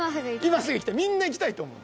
みんな行きたいと思う。